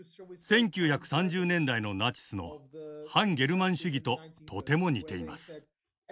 １９３０年代のナチスの汎ゲルマン主義ととても似ています。